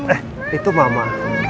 eh itu mama